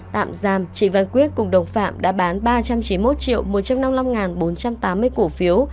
tạm giam trịnh văn quyết cùng đồng phạm đã bán ba trăm chín mươi một một trăm năm mươi năm bốn trăm tám mươi cổ phiếu